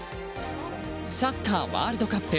サッカーワールドカップ